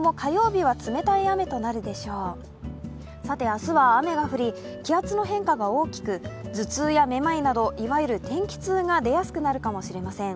明日は雨が降り気圧の変化が大きく、頭痛やめまいなどいわゆる天気痛が出やすくなるかもしれません。